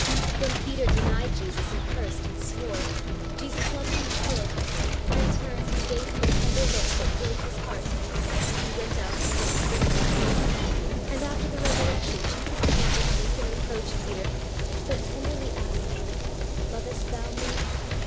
When Peter denied Jesus and cursed and swore, Jesus loved him still, and turned and gave him a tender look that broke his heart, and he went out and wept bitterly. And after the resurrection Jesus did not rebuke and reproach Peter, but tenderly asked him, "Lovest thou Me?"